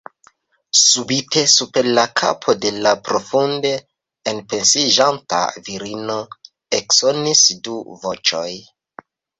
Subite super la kapo de la profunde enpensiĝanta virino eksonis du voĉoj.